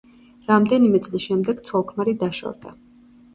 რამდენიმე წლის შემდეგ ცოლ-ქმარი დაშორდა.